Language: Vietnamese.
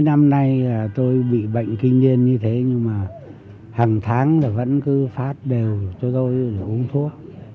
hai mươi năm nay tôi bị bệnh kinh điên như thế nhưng mà hàng tháng vẫn cứ phát đều cho tôi uống thuốc